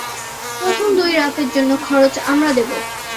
প্রথম দুই রাতের জন্য খরচ আমরা দেবো।